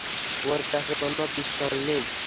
ওর কাছে কোনো পিস্তল নেই।